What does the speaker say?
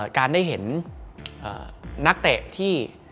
การได้เห็นนักเตะที่